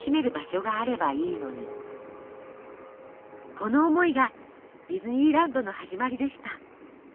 この思いがディズニーランドの始まりでした。